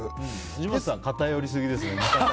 藤本さん、偏りすぎですね。